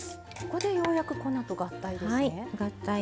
ここでようやく粉と合体ですね。